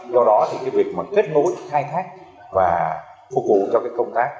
do đó việc kết nối khai thác và phục vụ cho công tác